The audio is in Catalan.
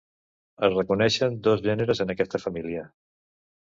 Es reconeixen dos gèneres en aquesta família.